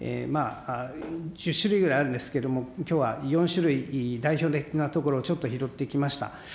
１０種類ぐらいあるんですけれども、きょうは４種類、代表的なところをちょっと拾ってきました。